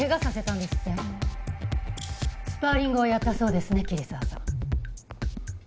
スパーリングをやったそうですね桐沢さん。